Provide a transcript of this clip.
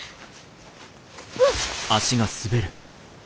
うっ。